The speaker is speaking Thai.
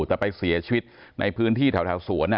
แต่ไปเสียชีวิตในพื้นที่แถวสวน